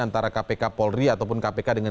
antara kpk polri ataupun kpk dengan